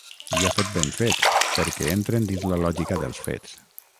I ha fet ben fet, perquè entren dins la lògica dels fets.